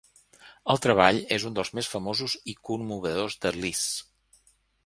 El treball és un dels més famosos i commovedors de Liszt.